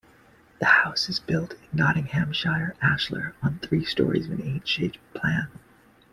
The house is built in Nottinghamshire ashlar on three storeys to an H-shaped plan.